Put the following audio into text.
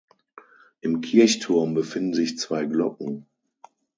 Im Kirchturm befinden sich zwei Glocken.